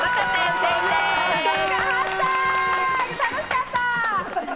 楽しかった！